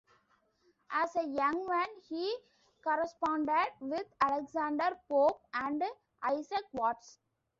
As a young man, he corresponded with Alexander Pope and Isaac Watts.